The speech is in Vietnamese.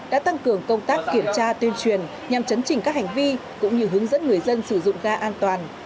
đã tăng cường công tác kiểm tra tuyên truyền nhằm chấn chỉnh các hành vi cũng như hướng dẫn người dân sử dụng ga an toàn